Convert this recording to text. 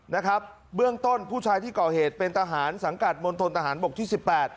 นะครับเบื้องต้นผู้ชายที่ก่อเหตุเป็นทหารสังกัดมนตรฐานบกที่๑๘